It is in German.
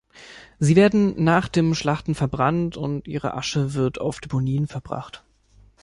Sie werden nach dem Schlachten verbrannt, und ihre Asche wird auf Deponien verbracht.